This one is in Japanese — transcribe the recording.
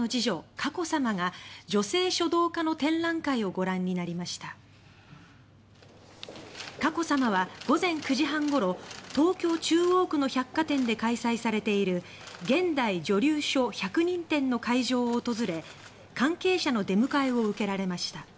佳子さまは午前９時半ごろ東京・中央区の百貨店で開催されている現代女流書１００人展の会場を訪れ関係者の出迎えを受けられました。